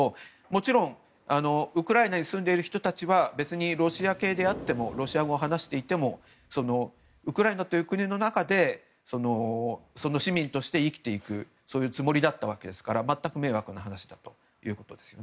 もちろんウクライナに住んでいる人たちは別にロシア系であってもロシア語を話していてもウクライナという国の中で市民として生きていくそういうつもりだったわけですから全く迷惑な話だということです。